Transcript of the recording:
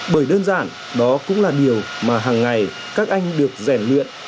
bởi đơn giản đó cũng là điều mà hằng ngày các anh được rèn luyện